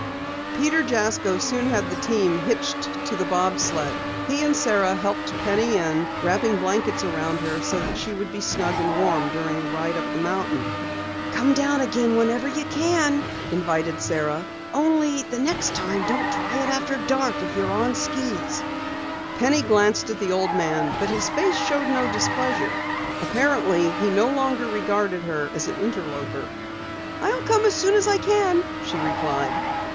Peter Jasko soon had the team hitched to the bob sled. He and Sara helped Penny in, wrapping blankets around her so that she would be snug and warm during the ride up the mountain. "Come down again whenever you can," invited Sara. "Only the next time don't try it after dark if you're on skis." Penny glanced at the old man, but his face showed no displeasure. Apparently, he no longer regarded her as an interloper. "I'll come as soon as I can," she replied.